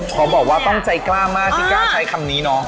ขอบอกว่าต้องใจกล้ามากที่กล้าใช้คำนี้เนาะ